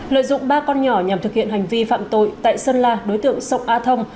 lợi dụng ba con nhỏ nhằm thực hiện hành vi phạm tội tại sơn la đối tượng sông a thông